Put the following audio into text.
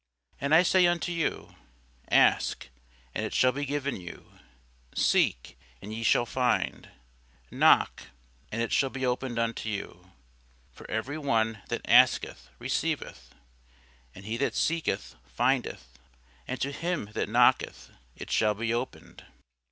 And I say unto you, Ask, and it shall be given you; seek, and ye shall find; knock, and it shall be opened unto you. For every one that asketh receiveth; and he that seeketh findeth; and to him that knocketh it shall be opened.